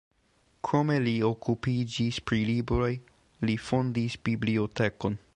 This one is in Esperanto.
Krome li okupiĝis pri libroj, li fondis bibliotekon.